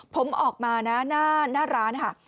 ผมออกมานะหน้าร้านค่ะ